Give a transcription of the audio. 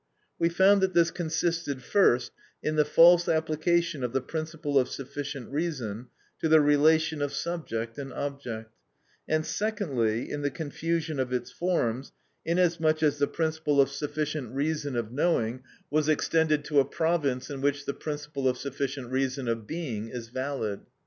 We found that this consisted, first, in the false application of the principle of sufficient reason to the relation of subject and object; and secondly, in the confusion of its forms, inasmuch as the principle of sufficient reason of knowing was extended to a province in which the principle of sufficient reason of being is valid.